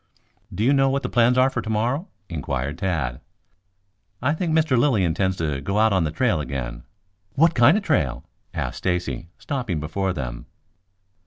"Do you know what the plans are for tomorrow?" inquired Tad. "I think Mr. Lilly intends to go out on the trail again." "What kind of trail?" asked Stacy, stopping before them.